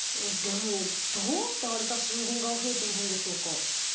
でもどうして荒れた森林がふえているんでしょうか？